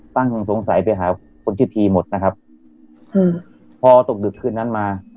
ตั้งคงสงสัยไปหาคนชื่อทีหมดนะครับพอตกดึกขึ้นนั้นมา